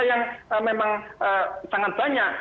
yang memang sangat banyak